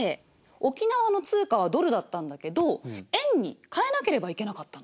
沖縄の通貨はドルだったんだけど円に替えなければいけなかったの。